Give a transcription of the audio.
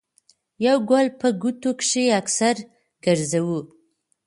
يو ګل په ګوتو کښې اکثر ګرځوو